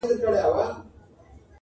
o د ډېر گران پوښتنه يا اول کېږي يا اخير!